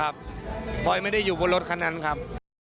พลอยไม่ได้อยู่บนรถคันนั้นครับ